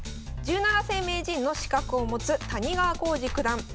１７世名人の資格を持つ谷川浩司九段。